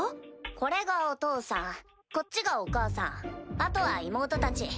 これがお父さんこっちがお母さんあとは妹たち。